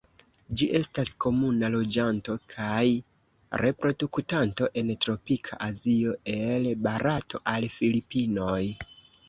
Ĝi estas komuna loĝanto kaj reproduktanto en tropika Azio el Barato al Filipinoj.